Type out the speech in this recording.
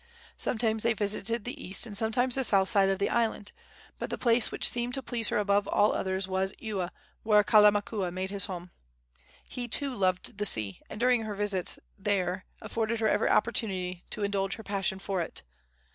Sometimes they visited the east and sometimes the south side of the island; but the place which seemed to please her above all others was Ewa, where Kalamakua made his home. He, too, loved the sea, and during her visits there afforded her every opportunity to indulge her passion for it.